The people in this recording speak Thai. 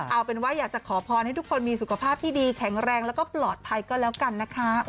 เอาเป็นว่าอยากจะขอพรให้ทุกคนมีสุขภาพที่ดีแข็งแรงแล้วก็ปลอดภัยก็แล้วกันนะคะ